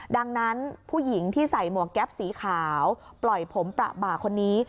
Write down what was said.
ดังนั้นผู้หญิงที่ใส่หมวกแก๊ปสีขาวปล่อยผมประบาคนนี้